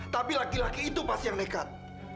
tapi laki laki itu pasti yang nekat